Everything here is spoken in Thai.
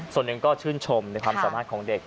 ส่วนหนึ่งก็ชื่นชมในความสามารถของเด็ก